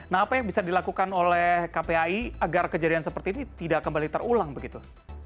nah apa yang bisa dilakukan oleh kpai agar kejadian seperti ini tidak kembali terulang begitu